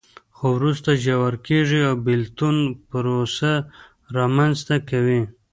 خو وروسته ژور کېږي او بېلتون پروسه رامنځته کوي.